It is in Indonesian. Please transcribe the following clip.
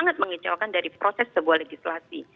tindakan yang sangat mengecewakan dari proses sebuah legislasi